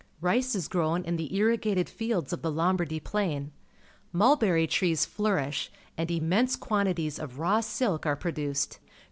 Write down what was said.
Rice is grown in the irrigated fields of the Lombardy Plain. IMulberrj^ trees flourish, and immense quan tities of raw silk are produced.